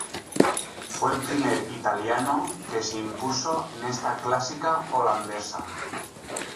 Fue el primer italiano que se impuso en esta clásica holandesa.